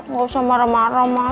gak usah marah marah mah